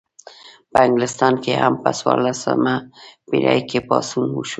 په انګلستان کې هم په څوارلسمه پیړۍ کې پاڅون وشو.